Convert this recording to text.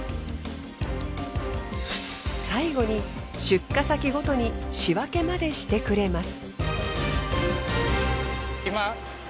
最後に出荷先ごとに仕分けまでしてくれます。